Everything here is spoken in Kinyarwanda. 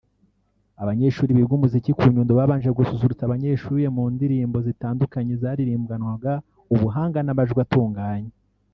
Abanyeshuri biga umuziki ku Nyundo babanje gususurutsa Abanyeshuye mu ndirimbo zitandukanye zaririmbanwaga ubuhanga n’amajwi atunganye